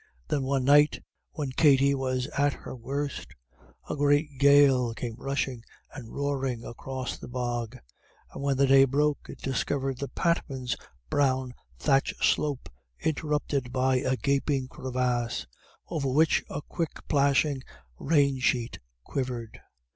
Then, one night, when Katty was at her worst, a great gale came rushing and roaring across the bog, and when the day broke it discovered the Patmans' brown thatch slope interrupted by a gaping crevasse, over which a quick plashing rain sheet quivered.